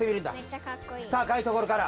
たかいところから。